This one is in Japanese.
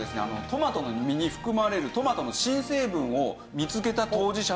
トマトの実に含まれるトマトの新成分を見つけた当事者の一人なんです。